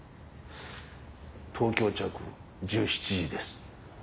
東京着１７時です。